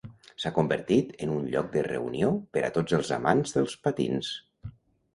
S'ha convertit en un lloc de reunió per a tots els amants dels patins.